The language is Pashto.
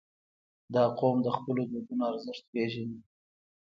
• دا قوم د خپلو دودونو ارزښت پېژني.